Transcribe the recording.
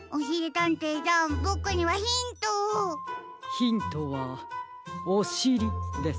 ヒントは「おしり」です。